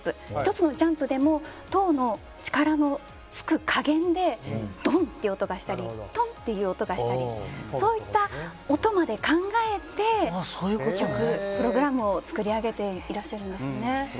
１つのジャンプでもトウの力のつく加減でドンッという音がしたりトンッていう音がしたりそういった音まで考えて曲、プログラムを作り上げられていらっしゃいますね。